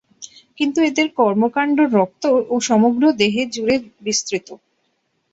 কিন্তু এদের কর্মকাণ্ড রক্ত ও সমগ্র দেহে জুড়ে বিস্তৃত।